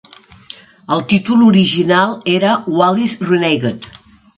El títol original era "Valis Regained".